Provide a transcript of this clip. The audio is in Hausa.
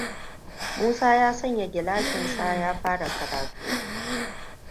Musa ya sanya gilashinsa ya fara karatu.